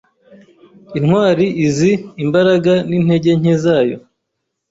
Intwali izi imbaraga n'intege nke zayo.